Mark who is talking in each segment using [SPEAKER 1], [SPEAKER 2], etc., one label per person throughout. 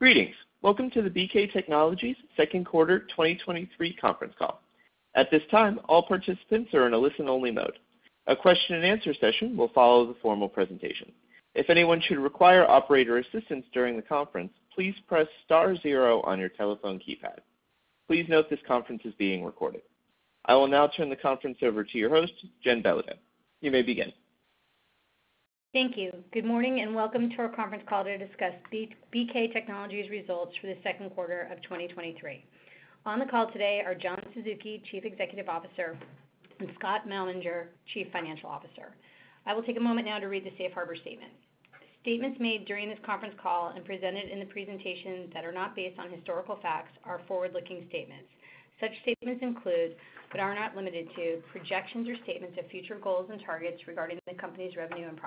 [SPEAKER 1] Greetings! Welcome to the BK Technologies Second Quarter 2023 Conference Call. At this time, all participants are in a listen-only mode. A question-and-answer session will follow the formal presentation. If anyone should require operator assistance during the conference, please press star zero on your telephone keypad. Please note this conference is being recorded. I will now turn the conference over to your host, Jen Belodeau. You may begin.
[SPEAKER 2] Thank you. Good morning, and welcome to our Conference Call to discuss BK Technologies results for the second quarter of 2023. On the call today are John Suzuki, Chief Executive Officer, and Scott Malmanger, Chief Financial Officer. I will take a moment now to read the Safe Harbor statement. Statements made during this conference call and presented in the presentation that are not based on historical facts are forward-looking statements. Such statements include, but are not limited to, projections or statements of future goals and targets regarding the company's revenue and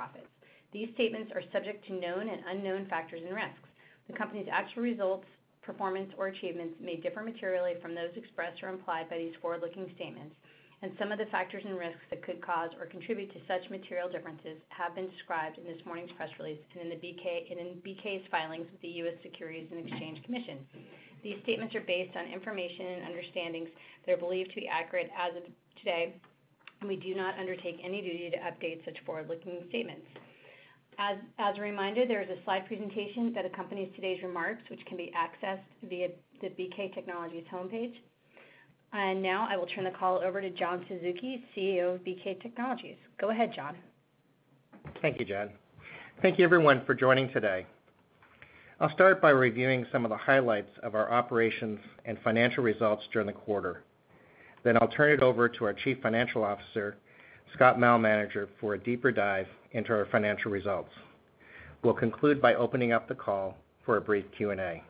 [SPEAKER 2] profits. These statements are subject to known and unknown factors and risks. The company's actual results, performance, or achievements may differ materially from those expressed or implied by these forward-looking statements. Some of the factors and risks that could cause or contribute to such material differences have been described in this morning's press release and in BK's filings with the U.S. Securities and Exchange Commission. These statements are based on information and understandings that are believed to be accurate as of today. We do not undertake any duty to update such forward-looking statements. As a reminder, there is a slide presentation that accompanies today's remarks, which can be accessed via the BK Technologies homepage. Now, I will turn the call over to John Suzuki, CEO of BK Technologies. Go ahead, John.
[SPEAKER 3] Thank you, Jen. Thank you, everyone, for joining today. I'll start by reviewing some of the highlights of our operations and financial results during the quarter. I'll turn it over to our Chief Financial Officer, Scott Malmanger, for a deeper dive into our financial results. We'll conclude by opening up the call for a brief Q&A.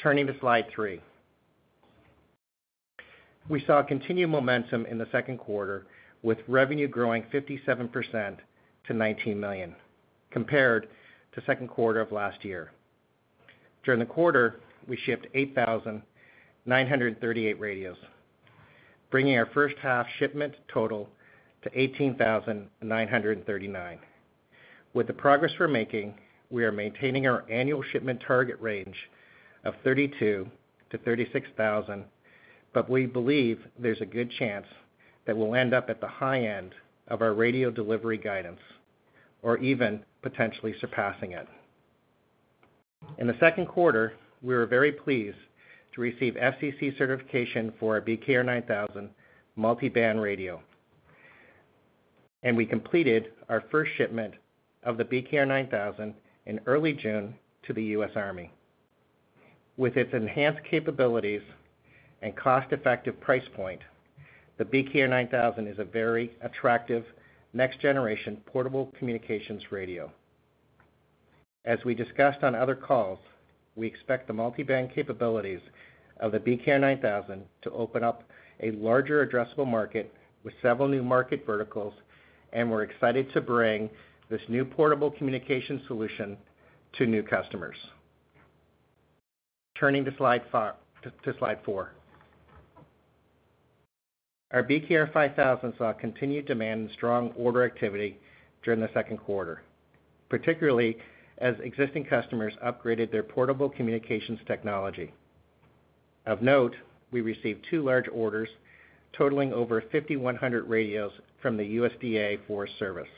[SPEAKER 3] Turning to slide three. We saw continued momentum in the second quarter, with revenue growing 57% to $19 million, compared to second quarter of last year. During the quarter, we shipped 8,938 radios, bringing our first half shipment total to 18,939. With the progress we're making, we are maintaining our annual shipment target range of 32,000-36,000, but we believe there's a good chance that we'll end up at the high end of our radio delivery guidance or even potentially surpassing it. In the second quarter, we were very pleased to receive FCC certification for our BKR 9000 multi-band radio, and we completed our first shipment of the BKR 9000 in early June to the US Army. With its enhanced capabilities and cost-effective price point, the BKR 9000 is a very attractive next-generation portable communications radio. As we discussed on other calls, we expect the multi-band capabilities of the BKR 9000 to open up a larger addressable market with several new market verticals, and we're excited to bring this new portable communication solution to new customers. Turning to slide four. Our BKR 5000 saw continued demand and strong order activity during the second quarter, particularly as existing customers upgraded their portable communications technology. Of note, we received two large orders totaling over 5,100 radios from the U.S. Forest Service,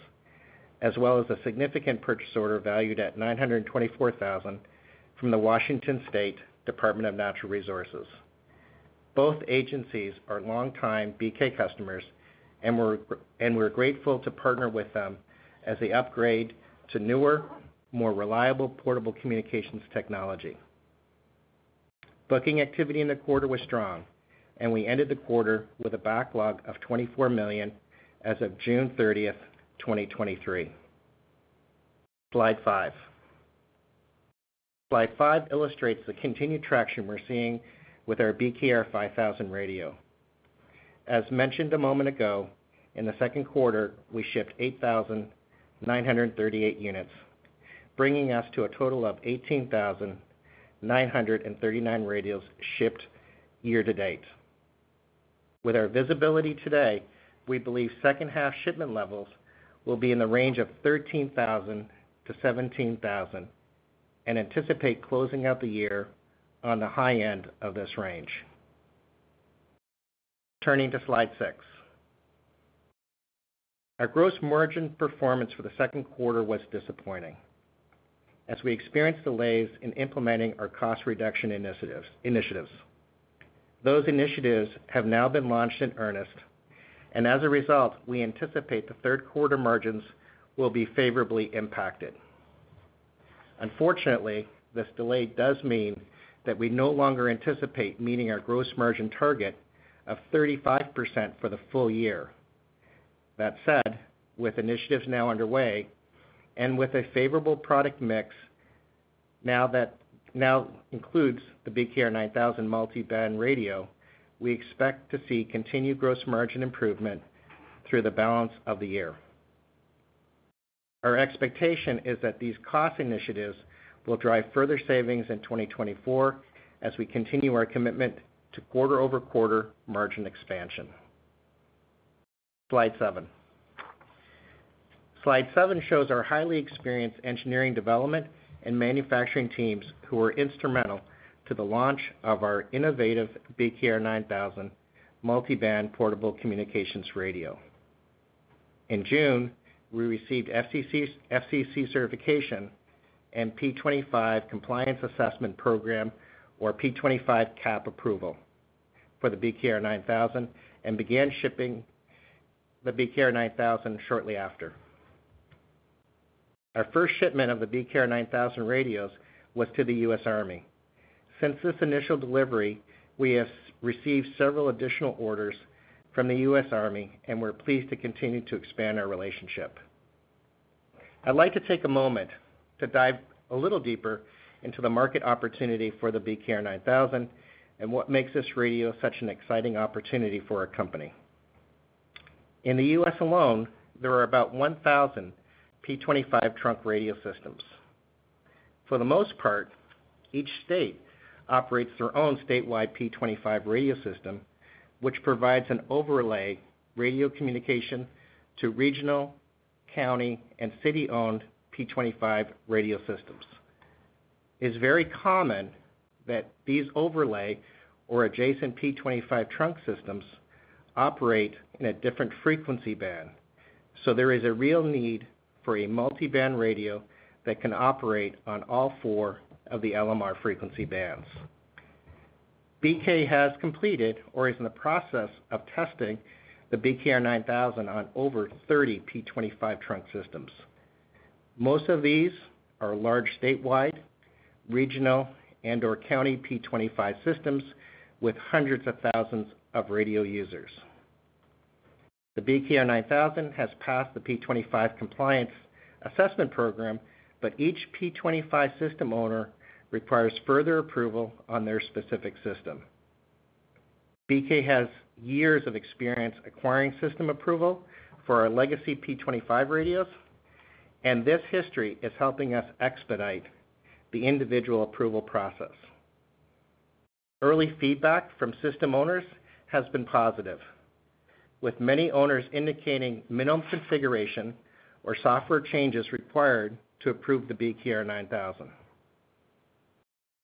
[SPEAKER 3] as well as a significant purchase order valued at $924,000 from the Washington State Department of Natural Resources. Both agencies are longtime BK customers, and we're grateful to partner with them as they upgrade to newer, more reliable portable communications technology. Booking activity in the quarter was strong, and we ended the quarter with a backlog of $24 million as of June 30, 2023. Slide five. Slide five illustrates the continued traction we're seeing with our BKR 5000 radio. As mentioned a moment ago, in the second quarter, we shipped 8,938 units, bringing us to a total of 18,939 radios shipped year to date. With our visibility today, we believe second half shipment levels will be in the range of 13,000-17,000 and anticipate closing out the year on the high end of this range. Turning to slide six. Our gross margin performance for the second quarter was disappointing as we experienced delays in implementing our cost reduction initiatives. Those initiatives have now been launched in earnest, and as a result, we anticipate the third quarter margins will be favorably impacted. Unfortunately, this delay does mean that we no longer anticipate meeting our gross margin target of 35% for the full year. That said, with initiatives now underway and with a favorable product mix, now includes the BKR 9000 multi-band radio, we expect to see continued gross margin improvement through the balance of the year. Our expectation is that these cost initiatives will drive further savings in 2024, as we continue our commitment to quarter-over-quarter margin expansion. Slide seven. Slide seven shows our highly experienced engineering, development, and manufacturing teams, who were instrumental to the launch of our innovative BKR 9000 multi-band portable communications radio. In June, we received FCC certification and P25 Compliance Assessment Program, or P25 CAP approval, for the BKR 9000, and began shipping the BKR 9000 shortly after. Our first shipment of the BKR 9000 radios was to the US Army. Since this initial delivery, we have received several additional orders from the U.S. Army, and we're pleased to continue to expand our relationship. I'd like to take a moment to dive a little deeper into the market opportunity for the BKR 9000, and what makes this radio such an exciting opportunity for our company. In the U.S. alone, there are about 1,000 P25 trunk radio systems. For the most part, each state operates their own statewide P25 radio system, which provides an overlay radio communication to regional, county, and city-owned P25 radio systems. It's very common that these overlay or adjacent P25 trunk systems operate in a different frequency band, so there is a real need for a multi-band radio that can operate on all four of the LMR frequency bands. BK has completed, or is in the process of testing, the BKR 9000 on over 30 P25 trunk systems. Most of these are large, statewide, regional, and/or county P25 systems with hundreds of thousands of radio users. The BKR 9000 has passed the P25 Compliance Assessment Program, but each P25 system owner requires further approval on their specific system. BK has years of experience acquiring system approval for our legacy P25 radios, and this history is helping us expedite the individual approval process. Early feedback from system owners has been positive, with many owners indicating minimum configuration or software changes required to approve the BKR 9000.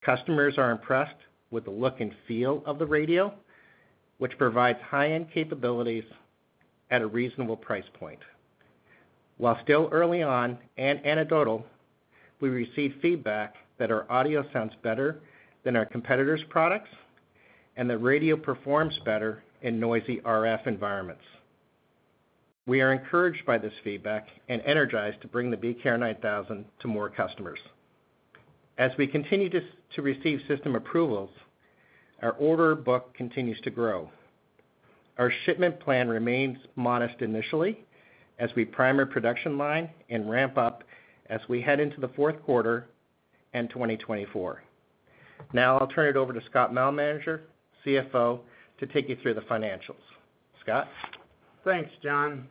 [SPEAKER 3] Customers are impressed with the look and feel of the radio, which provides high-end capabilities at a reasonable price point. While still early on and anecdotal, we received feedback that our audio sounds better than our competitors' products, and the radio performs better in noisy RF environments. We are encouraged by this feedback and energized to bring the BKR 9000 to more customers. As we continue to receive system approvals, our order book continues to grow. Our shipment plan remains modest initially, as we prime our production line and ramp up as we head into the fourth quarter and 2024. Now, I'll turn it over to Scott Malmanger, CFO, to take you through the financials. Scott?
[SPEAKER 4] Thanks, John.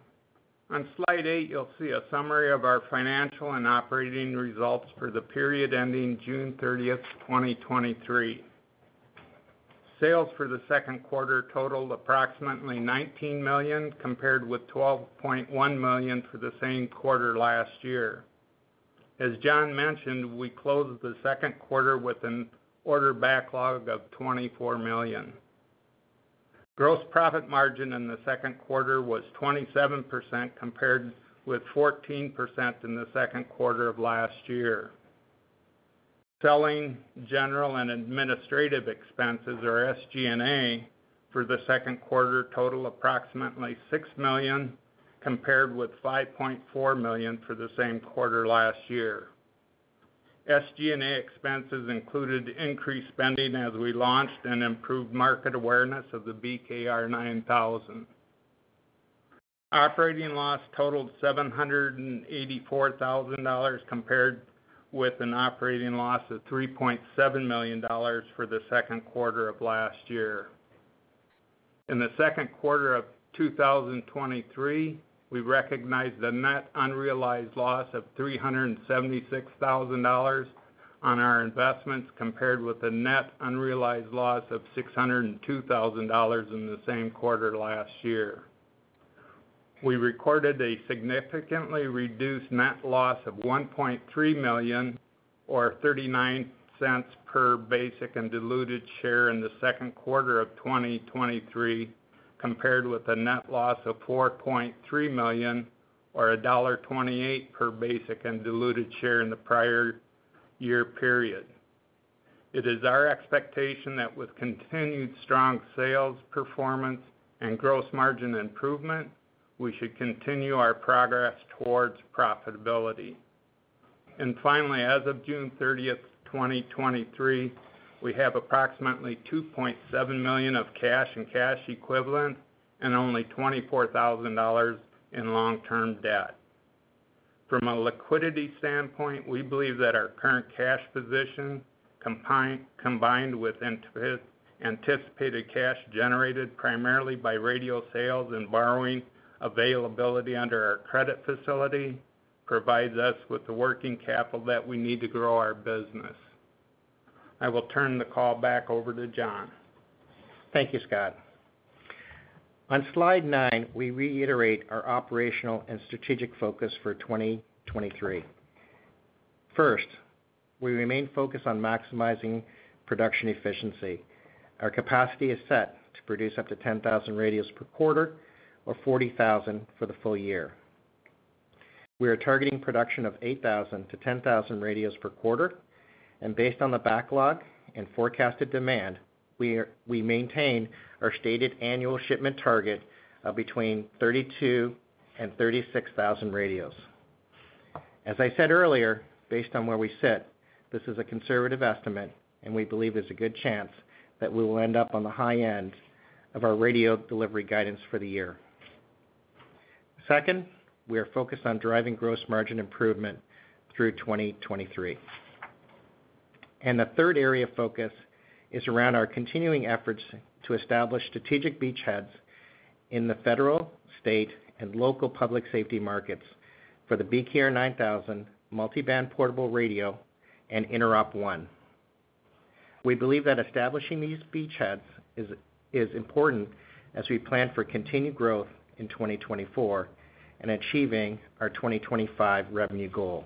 [SPEAKER 4] On slide eight, you'll see a summary of our financial and operating results for the period ending June 30th, 2023. Sales for the second quarter totaled approximately $19 million, compared with $12.1 million for the same quarter last year. As John mentioned, we closed the second quarter with an order backlog of $24 million. Gross profit margin in the second quarter was 27%, compared with 14% in the second quarter of last year. Selling, general, and administrative expenses, or SG&A, for the second quarter total approximately $6 million, compared with $5.4 million for the same quarter last year. SG&A expenses included increased spending as we launched and improved market awareness of the BKR9000. Operating loss totaled $784,000, compared with an operating loss of $3.7 million for the second quarter of last year. In the second quarter of 2023, we recognized a net unrealized loss of $376,000 on our investments, compared with a net unrealized loss of $602,000 in the same quarter last year. We recorded a significantly reduced net loss of $1.3 million, or $0.39 per basic and diluted share in the second quarter of 2023, compared with a net loss of $4.3 million, or $1.28 per basic and diluted share in the prior year period. It is our expectation that with continued strong sales performance and gross margin improvement, we should continue our progress towards profitability. Finally, as of June 30, 2023, we have approximately $2.7 million of cash and cash equivalent, and only $24,000 in long-term debt. From a liquidity standpoint, we believe that our current cash position, combined with anticipated cash generated primarily by radio sales and borrowing availability under our credit facility, provides us with the working capital that we need to grow our business. I will turn the call back over to John.
[SPEAKER 3] Thank you, Scott. On Slide nine, we reiterate our operational and strategic focus for 2023. First, we remain focused on maximizing production efficiency. Our capacity is set to produce up to 10,000 radios per quarter or 40,000 for the full year. We are targeting production of 8,000-10,000 radios per quarter, and based on the backlog and forecasted demand, we maintain our stated annual shipment target of between 32,000 and 36,000 radios. As I said earlier, based on where we sit, this is a conservative estimate, and we believe there's a good chance that we will end up on the high end of our radio delivery guidance for the year. Second, we are focused on driving gross margin improvement through 2023. The third area of focus is around our continuing efforts to establish strategic beachheads in the federal, state, and local public safety markets for the BKR 9000 multi-band portable radio and InteropONE. We believe that establishing these beachheads is important as we plan for continued growth in 2024 and achieving our 2025 revenue goals.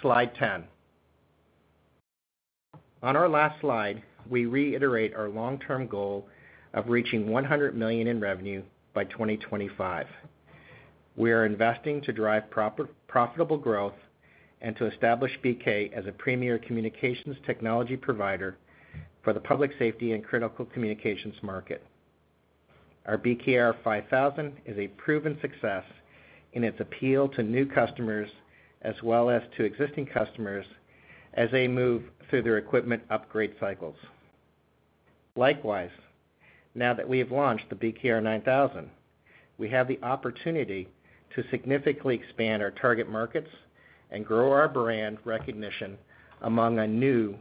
[SPEAKER 3] Slide 10. On our last slide, we reiterate our long-term goal of reaching $100 million in revenue by 2025. We are investing to drive profitable growth and to establish BK as a premier communications technology provider for the public safety and critical communications market. Our BKR 5000 is a proven success in its appeal to new customers, as well as to existing customers as they move through their equipment upgrade cycles. Likewise, now that we have launched the BKR 9000, we have the opportunity to significantly expand our target markets and grow our brand recognition among a new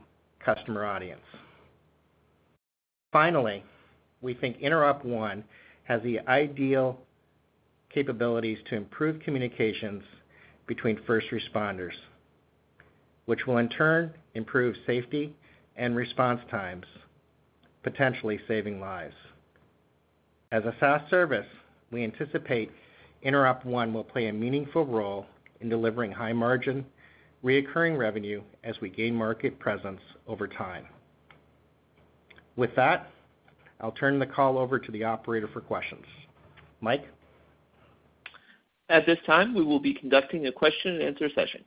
[SPEAKER 3] customer audience. Finally, we think InteropONE has the ideal capabilities to improve communications between first responders, which will in turn improve safety and response times, potentially saving lives. As a SaaS service, we anticipate InteropONE will play a meaningful role in delivering high margin, recurring revenue as we gain market presence over time. With that, I'll turn the call over to the operator for questions. Mike?
[SPEAKER 1] At this time, we will be conducting a question-and-answer session.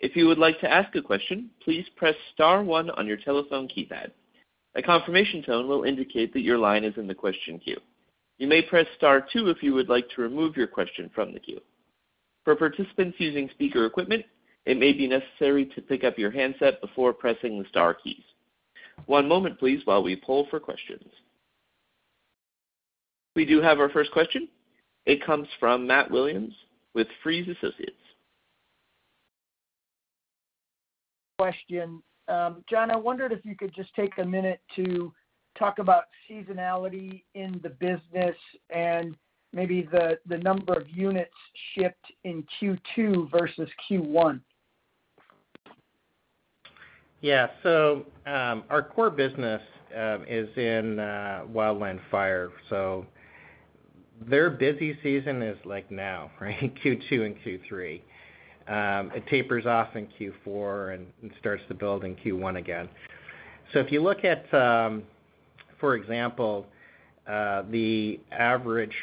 [SPEAKER 1] If you would like to ask a question, please press star one on your telephone keypad. A confirmation tone will indicate that your line is in the question queue. You may press star two if you would like to remove your question from the queue. For participants using speaker equipment, it may be necessary to pick up your handset before pressing the star keys. One moment please, while we poll for questions. We do have our first question. It comes from Matt Williams with K Friese & Associates.
[SPEAKER 5] Question. John, I wondered if you could just take a minute to talk about seasonality in the business and maybe the number of units shipped in Q2 versus Q1?
[SPEAKER 3] Yeah. Our core business is in wildland fire, so their busy season is like now, right? Q2 and Q3. It tapers off in Q4 and starts to build in Q1 again. If you look at, for example, the average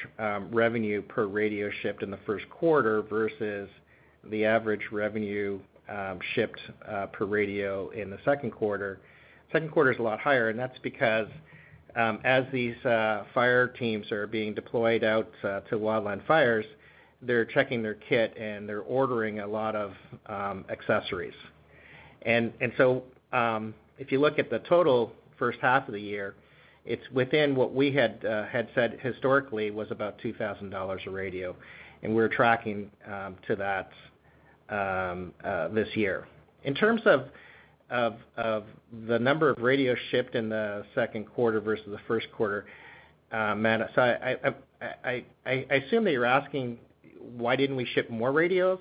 [SPEAKER 3] revenue per radio shipped in the first quarter versus the average revenue shipped per radio in the second quarter, second quarter is a lot higher, and that's because as these fire teams are being deployed out to the wildland fires, they're checking their kit, and they're ordering a lot of accessories. If you look at the total first half of the year, it's within what we had said historically was about $2,000 a radio, and we're tracking to that this year. In terms of, of, of the number of radios shipped in the second quarter versus the first quarter, Matt, so I, I, I, I, I assume that you're asking, why didn't we ship more radios?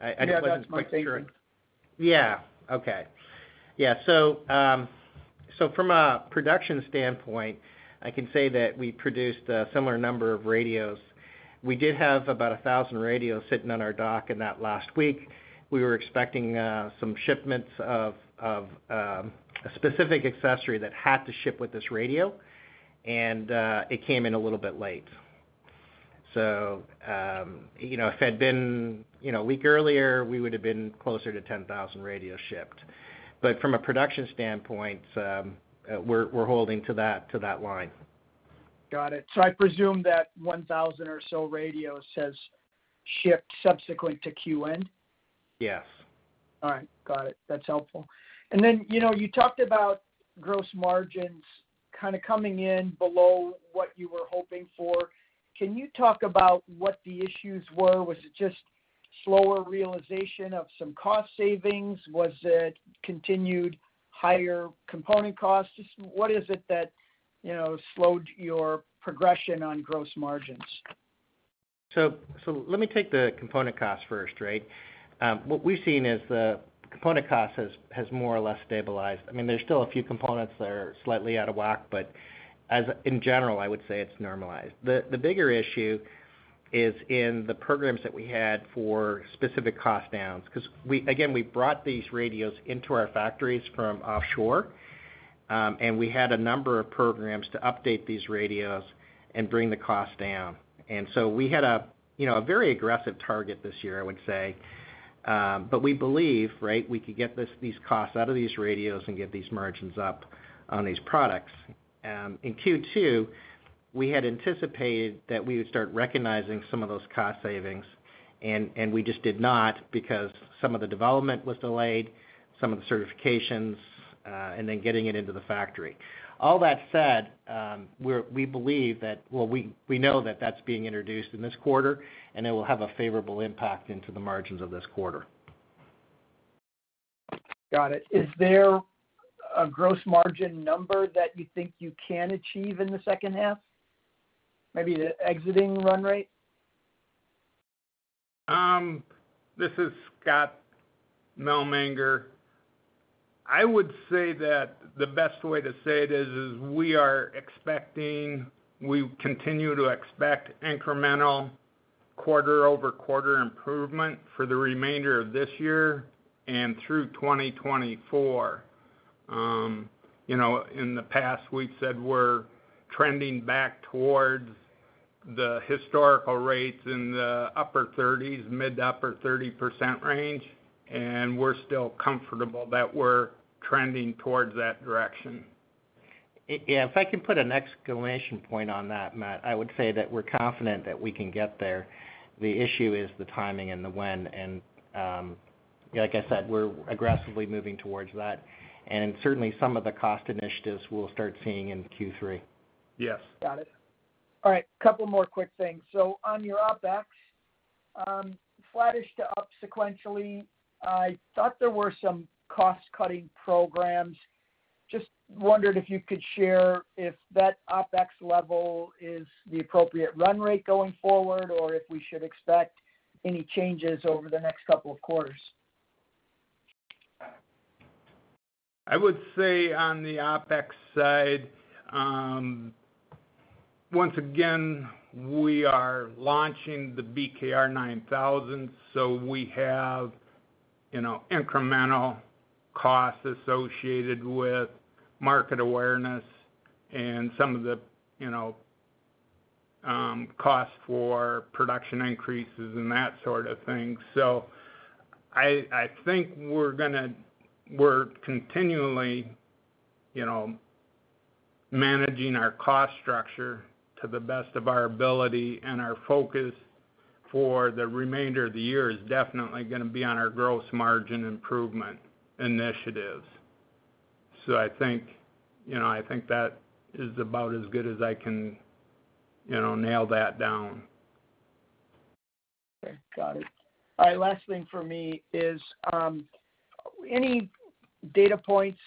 [SPEAKER 3] I, I wasn't quite sure.
[SPEAKER 5] Yeah, that's my statement.
[SPEAKER 3] Yeah. Okay. Yeah, so, so from a production standpoint, I can say that we produced a similar number of radios. We did have about 1,000 radios sitting on our dock in that last week. We were expecting some shipments of, of a specific accessory that had to ship with this radio, and it came in a little bit late. You know, if it had been, you know, a week earlier, we would have been closer to 10,000 radios shipped. From a production standpoint, we're, we're holding to that, to that line.
[SPEAKER 5] Got it. I presume that 1,000 or so radios has shipped subsequent to QN?
[SPEAKER 3] Yes.
[SPEAKER 5] All right. Got it. That's helpful. Then, you know, you talked about gross margins kind of coming in below what you were hoping for. Can you talk about what the issues were? Was it just slower realization of some cost savings? Was it continued higher component costs? Just what is it that, you know, slowed your progression on gross margins?
[SPEAKER 3] Let me take the component cost first, right? What we've seen is the component cost has, has more or less stabilized. I mean, there's still a few components that are slightly out of whack, but as in general, I would say it's normalized. The, the bigger issue is in the programs that we had for specific cost downs, 'cause again, we brought these radios into our factories from offshore, and we had a number of programs to update these radios and bring the cost down. We had a, you know, a very aggressive target this year, I would say. We believe, right, we could get this, these costs out of these radios and get these margins up on these products. In Q2, we had anticipated that we would start recognizing some of those cost savings, and we just did not because some of the development was delayed, some of the certifications, and then getting it into the factory. All that said, we believe that, well, we know that that's being introduced in this quarter, and it will have a favorable impact into the margins of this quarter.
[SPEAKER 5] Got it. Is there a gross margin number that you think you can achieve in the second half? Maybe the exiting run rate?
[SPEAKER 4] This is Scott Malmanger. I would say that the best way to say it is, is we are expecting, we continue to expect incremental quarter-over-quarter improvement for the remainder of this year and through 2024. you know, in the past, we've said we're trending back towards the historical rates in the upper thirties, mid to upper 30% range, and we're still comfortable that we're trending towards that direction.
[SPEAKER 3] Yeah, if I can put an exclamation point on that, Matt, I would say that we're confident that we can get there. The issue is the timing and the when, and, like I said, we're aggressively moving towards that. Certainly, some of the cost initiatives we'll start seeing in Q3.
[SPEAKER 4] Yes.
[SPEAKER 5] Got it. All right, a couple more quick things. On your OpEx, flattish to up sequentially, I thought there were some cost-cutting programs. Just wondered if you could share if that OpEx level is the appropriate run rate going forward, or if we should expect any changes over the next couple of quarters.
[SPEAKER 4] I would say on the OpEx side, once again, we are launching the BKR 9000, so we have, you know, incremental costs associated with market awareness and some of the, you know, costs for production increases and that sort of thing. I, I think we're gonna-- we're continually, you know, managing our cost structure to the best of our ability, and our focus for the remainder of the year is definitely gonna be on our gross margin improvement initiatives. I think, you know, I think that is about as good as I can, you know, nail that down.
[SPEAKER 5] Okay, got it. All right, last thing for me is, any data points,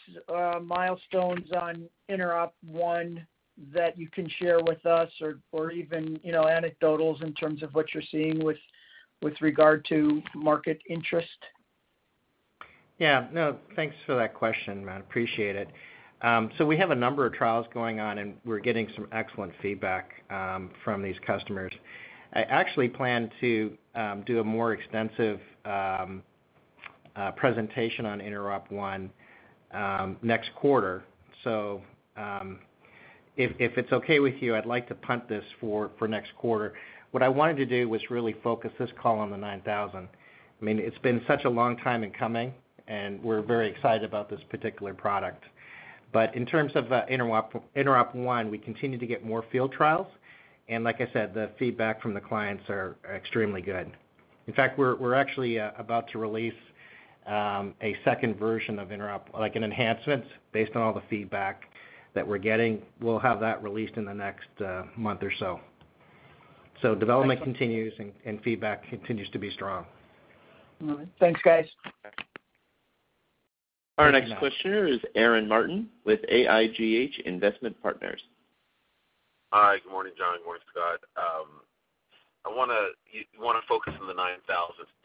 [SPEAKER 5] milestones on InteropONE that you can share with us, or, or even, you know, anecdotals in terms of what you're seeing with, with regard to market interest?
[SPEAKER 3] Yeah. No, thanks for that question, Matt. Appreciate it. We have a number of trials going on, and we're getting some excellent feedback from these customers. I actually plan to do a more extensive presentation on InteropONE next quarter. If, if it's okay with you, I'd like to punt this for next quarter. What I wanted to do was really focus this call on the 9000. I mean, it's been such a long time in coming, and we're very excited about this particular product. In terms of InteropONE, InteropONE, we continue to get more field trials, and like I said, the feedback from the clients are extremely good. In fact, we're, we're actually about to release a second version of InteropONE, like an enhancement, based on all the feedback that we're getting. We'll have that released in the next month or so. Development continues and, and feedback continues to be strong.
[SPEAKER 5] All right. Thanks, guys.
[SPEAKER 1] Our next questioner is Aaron Martin with AIGH Investment Partners.
[SPEAKER 6] Hi, good morning, John. Good morning, Scott. I wanna wanna focus on the 9000,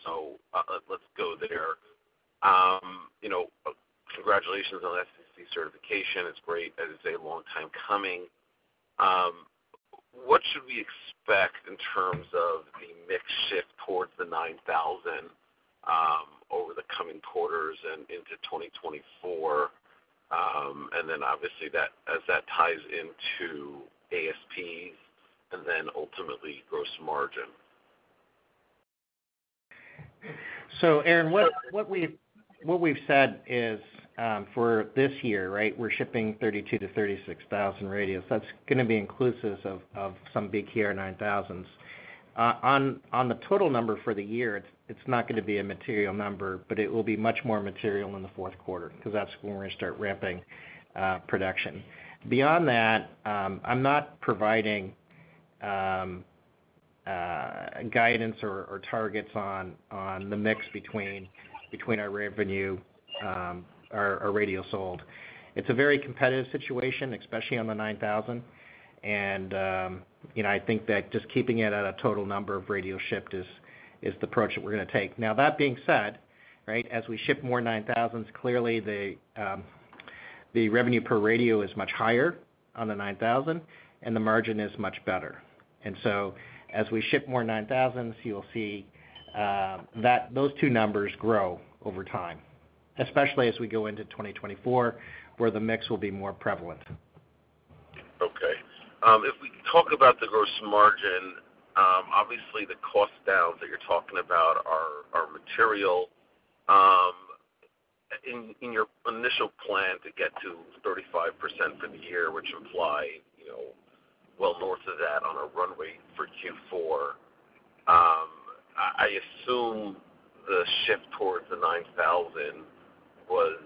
[SPEAKER 6] so let's go there. You know, congratulations on FCC certification. It's great. As I say, a long time coming. What should we expect in terms of the mix shift towards the 9000 over the coming quarters and into 2024? Then obviously, as that ties into ASP and then ultimately gross margin.
[SPEAKER 3] Aaron, what, what we've, what we've said is, for this year, right, we're shipping 32,000-36,000 radios. That's gonna be inclusive of, of some BKR 9000s. On, on the total number for the year, it's, it's not gonna be a material number, but it will be much more material in the fourth quarter because that's when we're gonna start ramping production. Beyond that, I'm not providing guidance or, or targets on, on the mix between, between our revenue or, or radio sold. It's a very competitive situation, especially on the 9000. You know, I think that just keeping it at a total number of radio shipped is, is the approach that we're gonna take. That being said, right, as we ship more BKR 9000s, clearly, the, the revenue per radio is much higher on the BKR 9000, and the margin is much better. As we ship more BKR 9000s, you'll see, that those two numbers grow over time, especially as we go into 2024, where the mix will be more prevalent.
[SPEAKER 6] Okay. If we talk about the gross margin, obviously, the cost downs that you're talking about are, are material. In, in your initial plan to get to 35% for the year, which imply, you know, well north of that on a runway for Q4, I, I assume the shift towards the 9000 was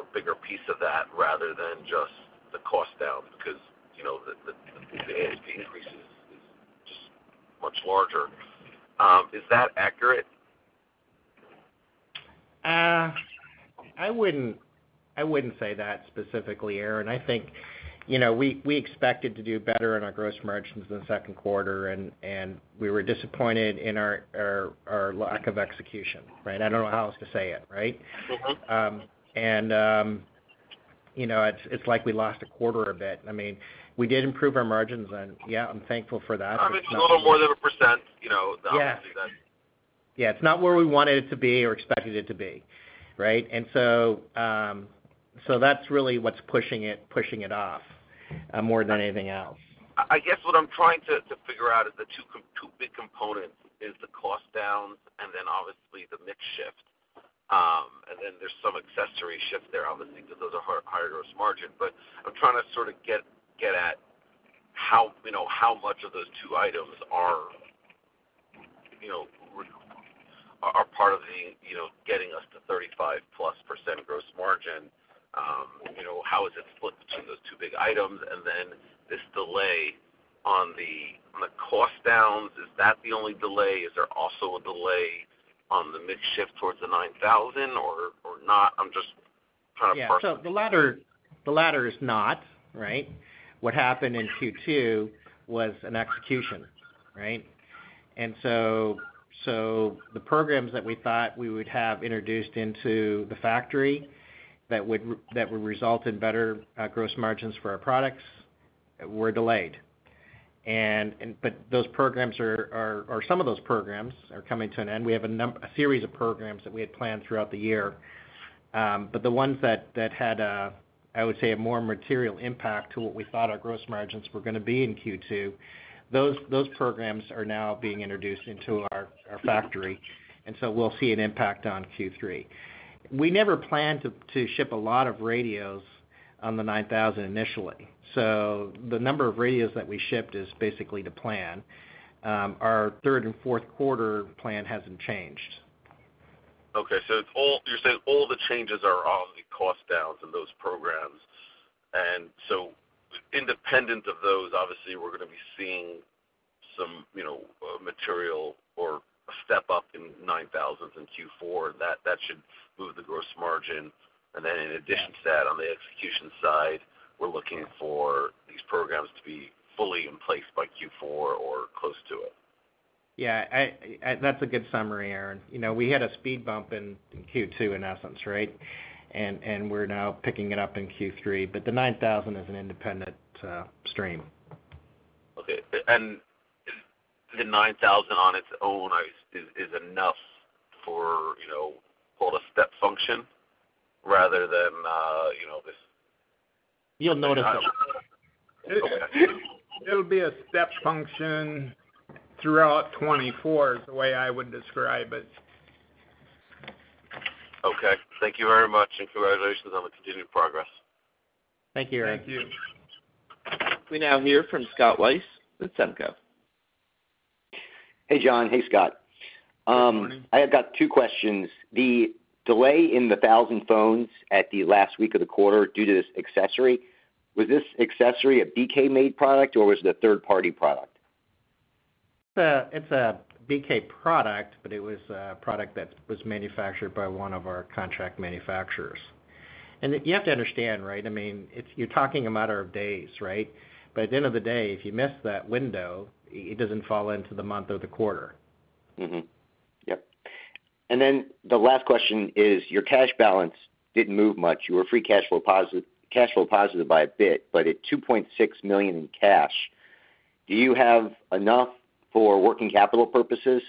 [SPEAKER 6] a bigger piece of that rather than just the cost down, because, you know, the, the, the ASP increase is, is much larger. Is that accurate?
[SPEAKER 3] I wouldn't, I wouldn't say that specifically, Aaron. I think, you know, we, we expected to do better in our gross margins in the second quarter, and we were disappointed in our lack of execution, right? I don't know how else to say it, right?
[SPEAKER 6] Mm-hmm.
[SPEAKER 3] You know, it's, it's like we lost a quarter a bit. I mean, we did improve our margins, and yeah, I'm thankful for that.
[SPEAKER 6] It's a little more than 1%, you know, obviously, than-
[SPEAKER 3] Yeah. Yeah, it's not where we wanted it to be or expected it to be, right? So, so that's really what's pushing it, pushing it off, more than anything else.
[SPEAKER 6] I guess what I'm trying to figure out is the two two big components, is the cost downs and then obviously the mix shift. There's some accessory shift there, obviously, because those are higher gross margin. I'm trying to sort of get, get at how, you know, how much of those two items are, you know, are, are part of the, you know, getting us to 35+% gross margin. You know, how is it split between those two big items? This delay on the, on the cost downs, is that the only delay? Is there also a delay on the mix shift towards the BKR 9000 or, or not? I'm just trying to parse...
[SPEAKER 3] Yeah. The latter, the latter is not, right? What happened in Q2 was an execution, right? The programs that we thought we would have introduced into the factory that would result in better gross margins for our products were delayed. Those programs or some of those programs are coming to an end. We have a series of programs that we had planned throughout the year. The ones that, that had a, I would say, a more material impact to what we thought our gross margins were gonna be in Q2, those, those programs are now being introduced into our, our factory, and so we'll see an impact on Q3. We never planned to ship a lot of radios on the BKR 9000 initially, so the number of radios that we shipped is basically the plan. Our third and fourth quarter plan hasn't changed.
[SPEAKER 6] Okay, you're saying all the changes are on the cost downs and those programs. Independent of those, obviously, we're gonna be seeing some, you know, material or a step up in BKR 9000s in Q4. That, that should move the gross margin.
[SPEAKER 3] Yeah.
[SPEAKER 6] Then in addition to that, on the execution side, we're looking for these programs to be fully in place by Q4 or close to it.
[SPEAKER 3] Yeah, that's a good summary, Aaron. You know, we had a speed bump in, in Q2, in essence, right? We're now picking it up in Q3, but the 9000 is an independent stream.
[SPEAKER 6] Okay. The 9000 on its own is, is, is enough for, you know, call it a step function, rather than, you know, this-
[SPEAKER 3] You'll notice it.
[SPEAKER 6] Okay.
[SPEAKER 4] It'll be a step function throughout 2024, is the way I would describe it.
[SPEAKER 6] Okay. Thank you very much. Congratulations on the continued progress.
[SPEAKER 3] Thank you, Aaron.
[SPEAKER 4] Thank you.
[SPEAKER 1] We now hear from Scott Weis with Semco.
[SPEAKER 7] Hey, John. Hey, Scott.
[SPEAKER 4] Good morning.
[SPEAKER 7] I have got two questions. The delay in the 1,000 phones at the last week of the quarter due to this accessory, was this accessory a BK-made product, or was it a third-party product?
[SPEAKER 3] It's a, it's a BK product, but it was a product that was manufactured by one of our contract manufacturers. You have to understand, right, I mean, you're talking a matter of days, right? At the end of the day, if you miss that window, it doesn't fall into the month or the quarter.
[SPEAKER 7] Mm-hmm. Yep. The last question is, your cash balance didn't move much. You were free cash flow positive, cash flow positive by a bit, but at $2.6 million in cash, do you have enough for working capital purposes?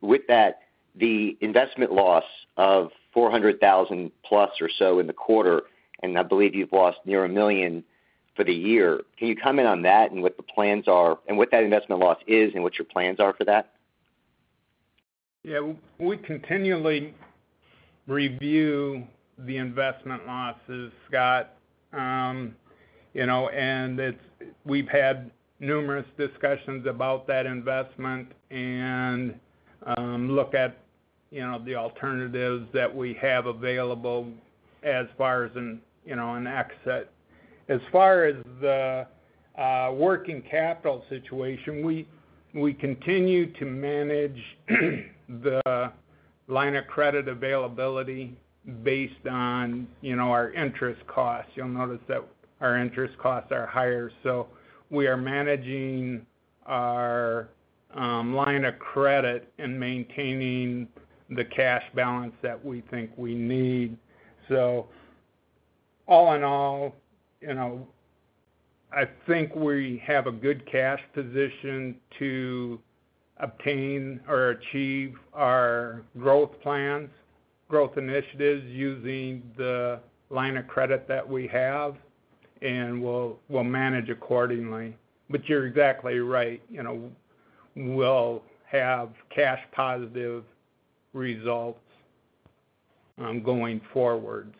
[SPEAKER 7] With that, the investment loss of $400,000 plus or so in the quarter, and I believe you've lost near $1 million for the year, can you comment on that and what the plans are, and what that investment loss is, and what your plans are for that?
[SPEAKER 4] Yeah, we continually review the investment losses, Scott. You know, and it's we've had numerous discussions about that investment and, look at, you know, the alternatives that we have available as far as an, you know, an exit.... As far as the working capital situation, we, we continue to manage the line of credit availability based on, you know, our interest costs. You'll notice that our interest costs are higher. We are managing our line of credit and maintaining the cash balance that we think we need. All in all, you know, I think we have a good cash position to obtain or achieve our growth plans, growth initiatives, using the line of credit that we have, and we'll, we'll manage accordingly. You're exactly right. You know, we'll have cash positive results going forward,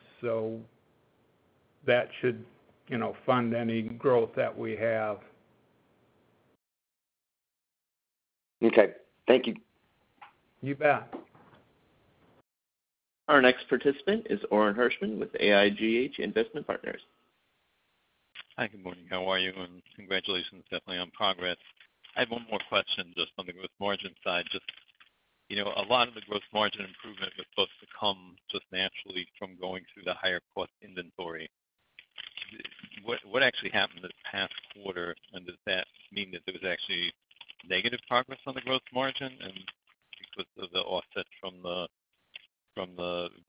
[SPEAKER 4] that should, you know, fund any growth that we have.
[SPEAKER 8] Okay, thank you.
[SPEAKER 4] You bet.
[SPEAKER 1] Our next participant is Orin Hirschman with AIGH Investment Partners.
[SPEAKER 9] Hi, good morning. How are you? Congratulations, definitely, on progress. I have one more question just on the gross margin side. Just, you know, a lot of the gross margin improvement was supposed to come just naturally from going through the higher cost inventory. What, what actually happened this past quarter? Does that mean that there was actually negative progress on the gross margin, and because of the offset from the,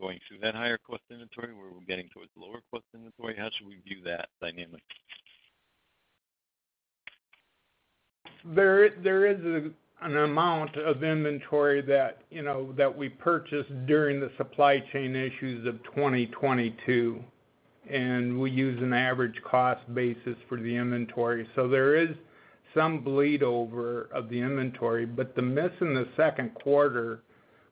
[SPEAKER 9] going through that higher cost inventory, where we're getting towards lower cost inventory, how should we view that dynamic?
[SPEAKER 4] There is, there is an amount of inventory that, you know, that we purchased during the supply chain issues of 2022, and we use an average cost basis for the inventory. There is some bleed over of the inventory, but the miss in the second quarter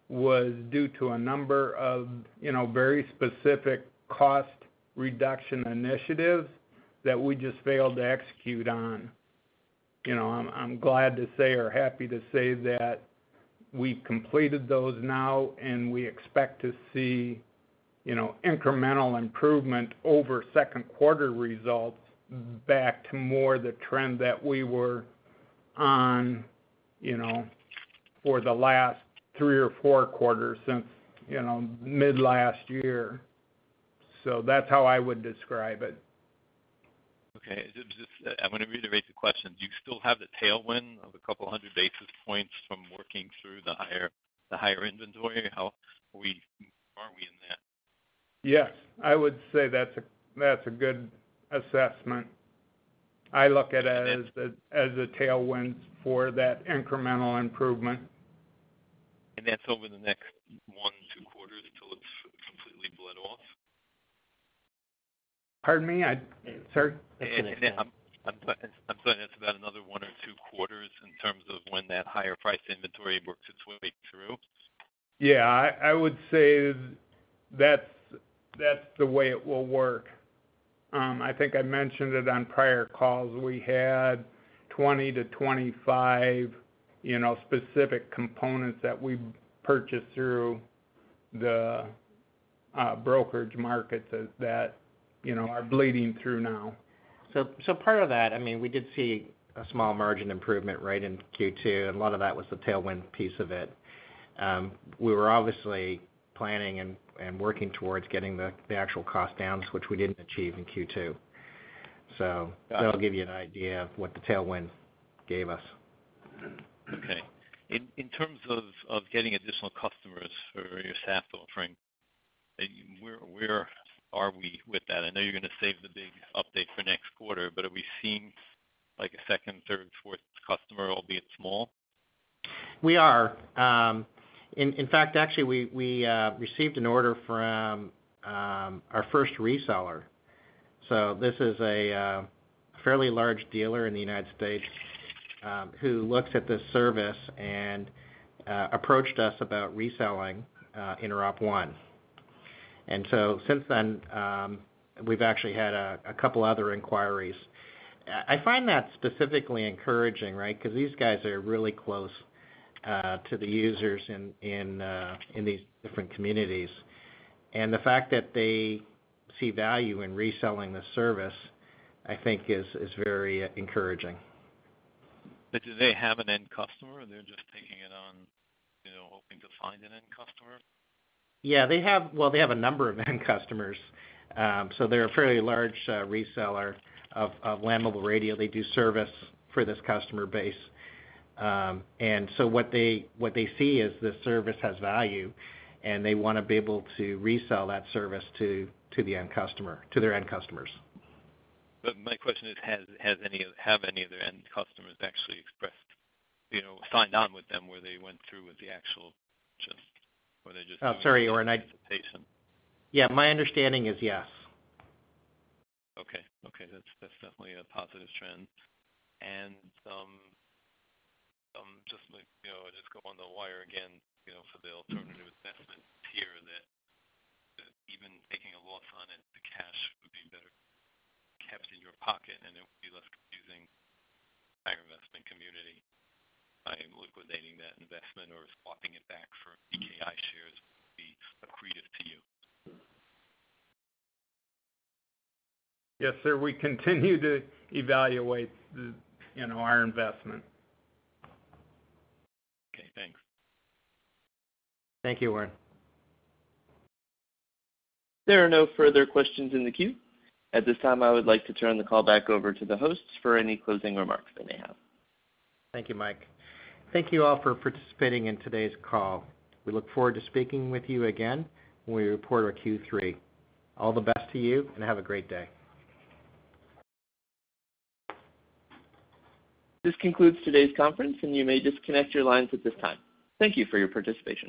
[SPEAKER 4] was due to a number of, you know, very specific cost reduction initiatives that we just failed to execute on. You know, I'm glad to say, or happy to say that we completed those now, and we expect to see, you know, incremental improvement over second quarter results back to more the trend that we were on, you know, for the last three or four quarters since, you know, mid last year. That's how I would describe it.
[SPEAKER 9] Okay. Just, I'm going to reiterate the question: Do you still have the tailwind of 200 basis points from working through the higher, the higher inventory? How are we -- are we in that?
[SPEAKER 4] Yes, I would say that's a, that's a good assessment. I look at it as a, as a tailwind for that incremental improvement.
[SPEAKER 9] That's over the next one, two quarters until it's completely bled off?
[SPEAKER 4] Pardon me? Sorry.
[SPEAKER 9] I'm saying it's about another one or two quarters in terms of when that higher priced inventory works its way through.
[SPEAKER 4] Yeah, I, I would say that's, that's the way it will work. I think I mentioned it on prior calls. We had 20-25, you know, specific components that we purchased through the brokerage markets that, that, you know, are bleeding through now.
[SPEAKER 3] So part of that, I mean, we did see a small margin improvement, right, in Q2, and a lot of that was the tailwind piece of it. We were obviously planning and, and working towards getting the, the actual cost downs, which we didn't achieve in Q2. That'll give you an idea of what the tailwind gave us.
[SPEAKER 9] Okay. In terms of getting additional customers for your SaaS offering, where, where are we with that? I know you're going to save the big update for next quarter, but are we seeing, like, a second, third, fourth customer, albeit small?
[SPEAKER 3] We are. In fact, actually, we, we received an order from our first reseller. This is a fairly large dealer in the United States, who looks at this service and approached us about reselling InteropONE. Since then, we've actually had a couple other inquiries. I, I find that specifically encouraging, right? Because these guys are really close to the users in these different communities. The fact that they see value in reselling the service, I think is, is very encouraging.
[SPEAKER 9] Do they have an end customer, or they're just taking it on, you know, hoping to find an end customer?
[SPEAKER 3] Yeah, they have -- well, they have a number of end customers. They're a fairly large, reseller of, of land mobile radio. They do service for this customer base. What they, what they see is this service has value, and they want to be able to resell that service to, to the end customer, to their end customers.
[SPEAKER 9] My question is, have any of their end customers actually expressed, you know, signed on with them, where they went through with the actual just or they?
[SPEAKER 3] Oh, sorry, Orin.
[SPEAKER 9] Anticipation.
[SPEAKER 3] Yeah, my understanding is yes.
[SPEAKER 9] Okay. Okay, that's, that's definitely a positive trend. Just like, you know, just go on the wire again, you know, for the alternative investment tier, that, that even taking a loss on it, the cash would be better kept in your pocket, and it would be less confusing entire investment community by liquidating that investment or swapping it back for PKI shares would be accretive to you.
[SPEAKER 4] Yes, sir, we continue to evaluate the, you know, our investment.
[SPEAKER 9] Okay, thanks.
[SPEAKER 3] Thank you, Orin.
[SPEAKER 1] There are no further questions in the queue. At this time, I would like to turn the call back over to the hosts for any closing remarks they may have.
[SPEAKER 3] Thank you, Mike. Thank you all for participating in today's call. We look forward to speaking with you again when we report our Q3. All the best to you, and have a great day.
[SPEAKER 1] This concludes today's conference, and you may disconnect your lines at this time. Thank you for your participation.